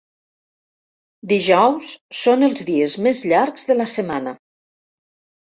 Dijous són els dies més llargs de la setmana.